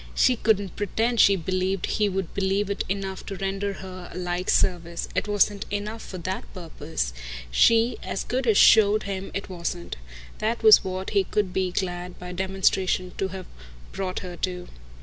She couldn't pretend she believed he would believe it enough to render her a like service. It wasn't enough for that purpose she as good as showed him it wasn't. That was what he could be glad, by demonstration, to have brought her to.